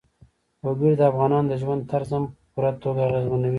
وګړي د افغانانو د ژوند طرز هم په پوره توګه اغېزمنوي.